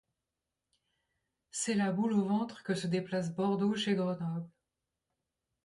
C'est la boule au ventre que se déplace Bordeaux chez Grenoble.